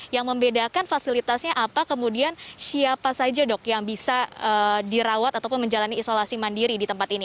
yang membedakan fasilitasnya apa kemudian siapa saja dok yang bisa dirawat ataupun menjalani isolasi mandiri di tempat ini